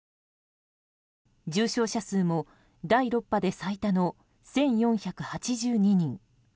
重症者数も第６波で最多の１４８２人。